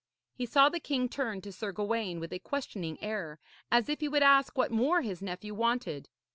He saw the king turn to Sir Gawaine with a questioning air, as if he would ask what more his nephew wanted.